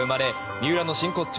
三浦の真骨頂